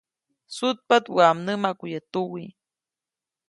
Sutpaʼt waʼa mnämaku yäʼ tuwi.